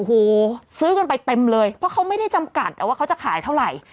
โอ้โหซื้อกันไปเต็มเลยเพราะเขาไม่ได้จำกัดว่าเขาจะขายเท่าไหร่